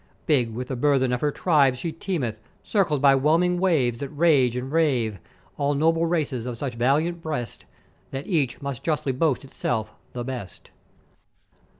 Big with the burthen of her tribes she teemeth, circled by whelming waves that rage and rave; all noble races of such valiant breast, that each may justly boast itself the best.